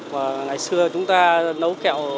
và ngày xưa chúng ta nấu kẹo